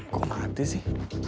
kok mati sih